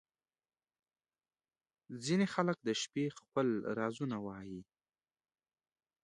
• ځینې خلک د شپې خپل رازونه وایې.